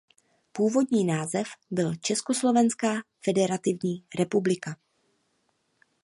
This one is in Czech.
Původní název byl Československá federativní republika.